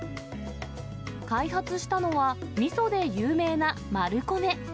開発したのは、みそで有名なマルコメ。